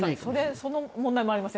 その問題もありますね。